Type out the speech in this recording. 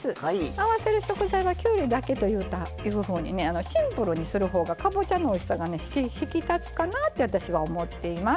合わせる食材はきゅうりだけというふうにシンプルにするほうがかぼちゃのおいしさが引き立つかなって私は思っています。